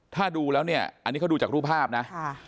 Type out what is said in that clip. ถ้าดูแล้วเนี่ยอันนี้เขาดูจากรูปภาพนะ